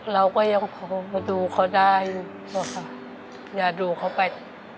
เราก็ยังพอดูเขาได้อย่าดูเขาไป